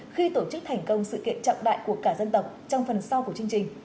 khi tổ chức thành công sự kiện trọng đại của cả dân tộc trong phần sau của chương trình